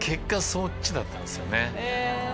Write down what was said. そっちだったんですよね。